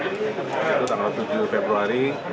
itu tanggal tujuh februari